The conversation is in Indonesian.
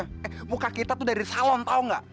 eh muka kita tuh dari salon tau gak